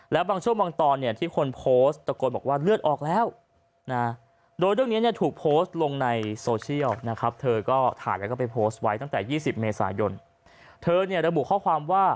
แล้วบางช่วงบางตอนที่คนโพสต์ตะโกนบอกว่าเลือดออกแล้ว